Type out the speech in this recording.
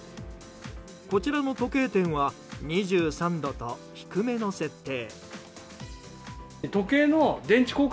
こちらの時計店は２３度と低めの設定。